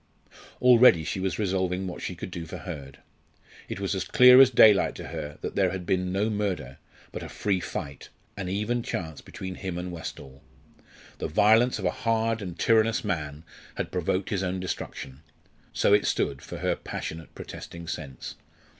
Already she was revolving what she could do for Hurd. It was as clear as daylight to her that there had been no murder but a free fight an even chance between him and Westall. The violence of a hard and tyrannous man had provoked his own destruction so it stood, for her passionate protesting sense.